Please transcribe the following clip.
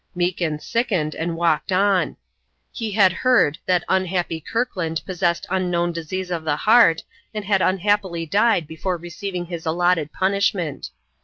Meekin sickened, and walked on. He had heard that unhappy Kirkland possessed unknown disease of the heart, and had unhappily died before receiving his allotted punishment.